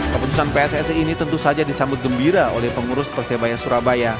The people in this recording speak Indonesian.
keputusan pssi ini tentu saja disambut gembira oleh pengurus persebaya surabaya